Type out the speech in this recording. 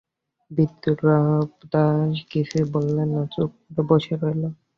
বিপ্রদাস কিছুই বললে না, চুপ করে বসে রইল।